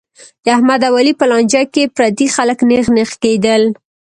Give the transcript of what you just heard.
د احمد او علي په لانجه کې پردي خلک نېغ نېغ کېدل.